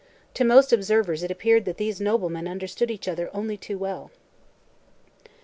To most observers it appeared that these noblemen understood each other only too well.